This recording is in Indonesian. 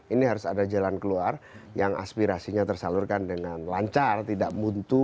ini harus ada jalan keluar yang aspirasinya tersalurkan dengan lancar tidak muntu